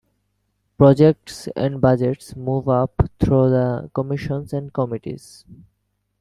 Projects and budgets move up through the commissions and committees.